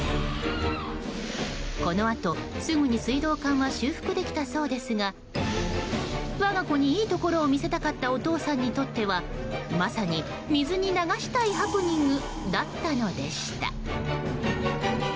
このあと、すぐに水道管は修復できたそうですが我が子に、いいところを見せたかったお父さんにとってはまさに水に流したいハプニングだったのでした。